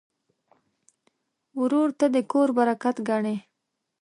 ورور ته د کور برکت ګڼې.